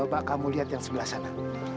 pak coba lihat yang sebelah sana